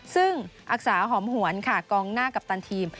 ซึ่งอักษาหอมหวนค่ะกองหน้ากัปตันทีม